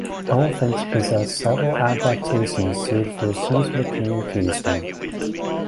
Elephants possess several adaptations suited for seismic communication.